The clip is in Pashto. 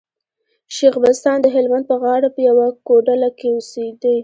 شېخ بستان د هلمند په غاړه په يوه کوډله کي اوسېدئ.